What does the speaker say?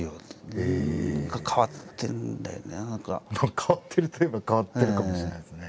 変わってるといえば変わってるかもしれないですね。